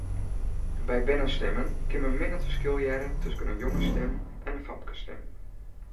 By bernestimmen kin men min it ferskil hearre tusken in jongesstim en in famkesstim.